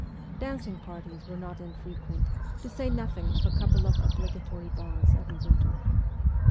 Dancing parties were not infrequent, to say no thing of a couple of obligatory balls every winter.